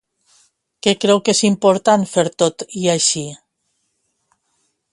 Què creu que és important fer tot i així?